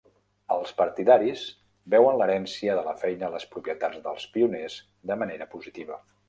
Els partidaris veuen l'herència de la feina i les propietats dels Pioners de manera positiva.